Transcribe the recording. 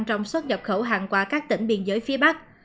trong xuất nhập khẩu hàng qua các tỉnh biên giới phía bắc